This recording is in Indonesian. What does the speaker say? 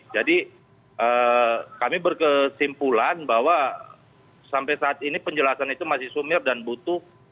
jadi kami berkesimpulan bahwa sampai saat ini penjelasan itu masih sumir dan butuh